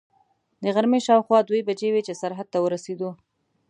د غرمې شاوخوا دوې بجې وې چې سرحد ته ورسېدو.